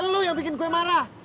lu yang bikin gue marah